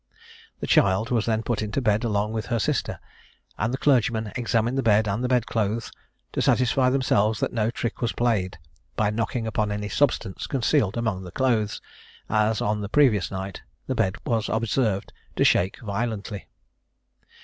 The child was then put into bed along with her sister, and the clergymen examined the bed and bed clothes to satisfy themselves that no trick was played, by knocking upon any substance concealed among the clothes, as, on the previous night, the bed was observed to shake violently.